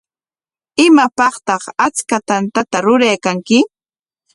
¿Imapaqtaq achka tantata ruraykanki?